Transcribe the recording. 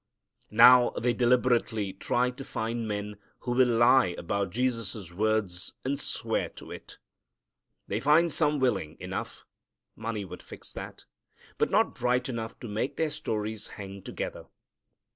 Now they deliberately try to find men who will lie about Jesus' words, and swear to it. They find some willing enough money would fix that but not bright enough to make their stories hang together.